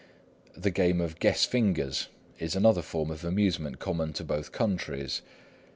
The game of "guess fingers" is another form of amusement common to both countries.